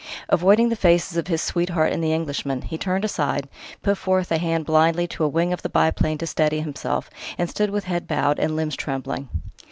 Avoiding the faces of his sweetheart and the Englishman, he turned aside, put forth a hand blindly to a wing of the biplane to steady himself, and stood with head bowed and limbs trembling.